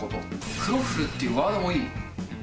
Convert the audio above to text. クロッフルっていうワードもいい。